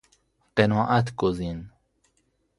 قناعت گزین